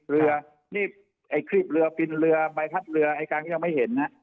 เรือนี่ไอ้ครีบเรือบินเรือใบพัดเรือไอ้การก็ยังไม่เห็นนะ